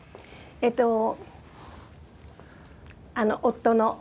えとあの夫の。